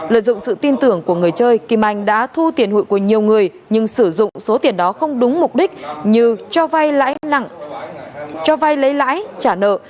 lợi dụng sự tin tưởng của người chơi kim anh đã thu tiền hụi của nhiều người nhưng sử dụng số tiền đó không đúng mục đích như cho vai lấy lãi trả nợ